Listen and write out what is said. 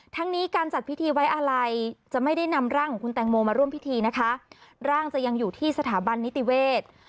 ทั้งนี้การจัดพิธีไว้อะไรจะไม่ได้นำร่างของคุณแตงโมมาร่วมพิธีนะคะร่างจะยังอยู่ที่สถาบันนิติเวศ